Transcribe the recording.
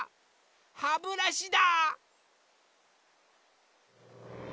ハブラシだ！